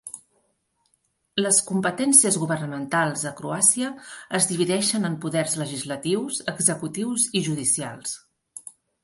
Les competències governamentals a Croàcia es divideixen en poders legislatius, executius i judicials.